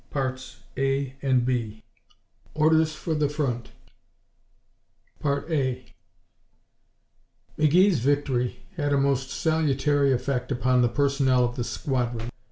CHAPTER V Orders for the Front 1 McGee's victory had a most salutary effect upon the personnel of the squadron.